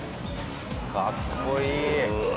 かっこいい！